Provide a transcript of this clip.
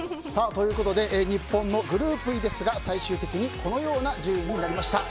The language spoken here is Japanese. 日本のグループＥですが最終的にこのような順位になりました。